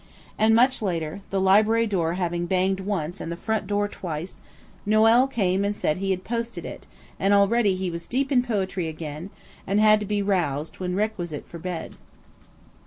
And much later, the library door having banged once and the front door twice, Noël came and said he had posted it, and already he was deep in poetry again, and had to be roused when requisite for bed.